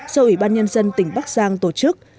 do ủy ban nhân dân tỉnh bắc giang tổ chức